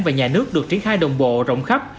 và nhà nước được triển khai đồng bộ rộng khắp